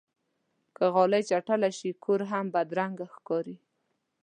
که غالۍ چټله شي، کور هم بدرنګه ښکاري.